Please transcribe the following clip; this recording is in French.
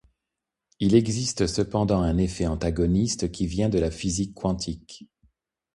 Il existe cependant un effet antagoniste qui vient de la physique quantique.